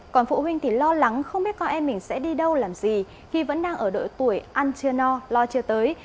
còn phụ huynh thì lo lắng không biết con em mình sẽ đi đâu làm gì khi vẫn đang ở đội tuổi ăn chưa no lo chưa tới